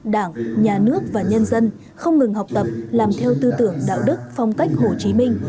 đảng nhà nước và nhân dân không ngừng học tập làm theo tư tưởng đạo đức phong cách hồ chí minh